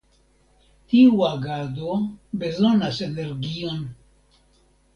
Tiu agado bezonas energion.